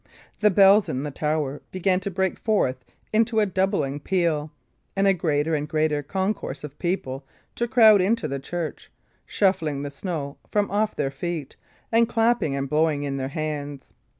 The bells in the tower began to break forth into a doubling peal, and a greater and greater concourse of people to crowd into the church, shuffling the snow from off their feet, and clapping and blowing in their hands.